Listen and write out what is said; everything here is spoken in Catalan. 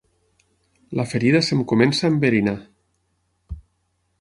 La ferida se'm comença a enverinar.